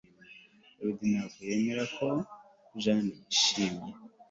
David ntabwo yemera ko Jane yishimye